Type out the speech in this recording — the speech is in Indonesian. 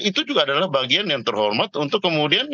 itu juga adalah bagian yang terhormat untuk kemudian